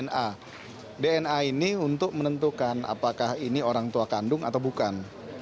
dna dna ini untuk menentukan apakah ini orang tua kandung atau bukan